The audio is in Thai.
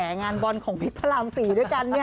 ยังอย่างงานบอลของพี่พระรามสี่ด้วยกันนี่